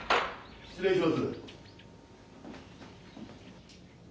失礼します。